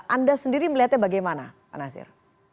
anda sendiri melihatnya bagaimana pak nasir